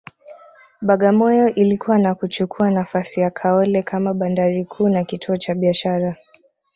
Bagamoyo ilikua na kuchukua nafasi ya Kaole kama bandari kuu na kituo cha biashara